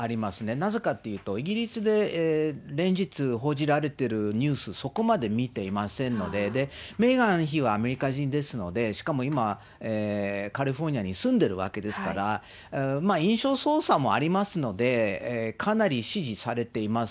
なぜかっていうと、イギリスで連日報じられているニュース、そこまで見ていませんので、で、メーガン妃はアメリカ人ですので、しかも今、カリフォルニアに住んでるわけですから、印象操作もありますので、かなり支持されています。